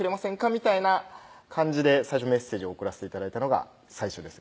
みたいな感じで最初メッセージを送らせて頂いたのが最初です